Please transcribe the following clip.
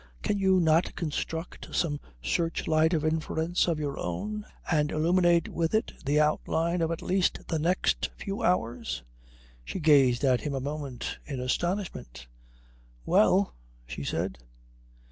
Can you not construct some searchlight of inference of your own, and illuminate with it the outline of at least the next few hours?" She gazed at him a moment in astonishment. "Well," she said.